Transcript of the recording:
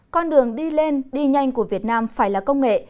con đường đi lên đi nhanh của việt nam phải là công nghệ